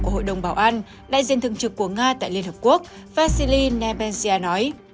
của hội đồng bảo an đại diện thường trực của nga tại liên hợp quốc vasily nemensia nói